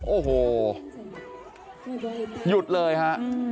โอ้โหหยุดเลยฮะ